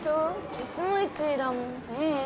いつも１位だもんううん